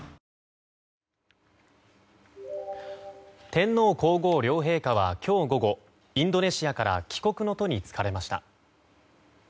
天皇・皇后両陛下は今日午後インドネシアから帰国の途に就かれました。